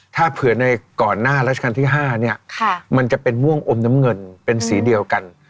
ถ้าเผื่อในก่อนหน้าราชการที่๕เนี่ยมันจะเป็นม่วงอมน้ำเงินเป็นสีเดียวกัน